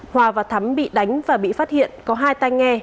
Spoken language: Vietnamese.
hòa và thắm bị đánh và bị phát hiện có hai tay nghe